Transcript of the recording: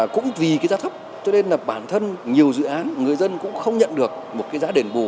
cũng vì cái giá thấp cho nên là bản thân nhiều dự án người dân cũng không nhận được một cái giá đền bù